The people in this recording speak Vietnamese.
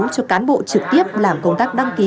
cho cán bộ trực tiếp làm công tác đăng ký